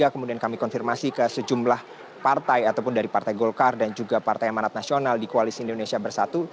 kemudian kami konfirmasi ke sejumlah partai ataupun dari partai golkar dan juga partai amanat nasional di koalisi indonesia bersatu